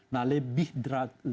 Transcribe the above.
nah lebih dari itu